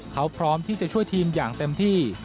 เขาพร้อมที่จะช่วยทีมอย่างเต็มที่